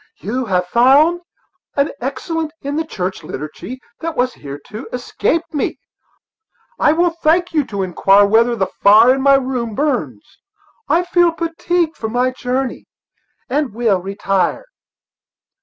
"You have found an excellence in the church liturgy that has hitherto escaped me. I will thank you to inquire whether the fire in my room burns; I feel fatigued with my journey, and will retire."